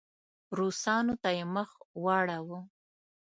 روسانو ته یې مخ واړاوه.